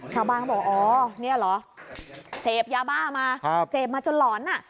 เขาบอกอ๋อเนี่ยเหรอเสพยาบ้ามาเสพมาจนหลอนอ่ะ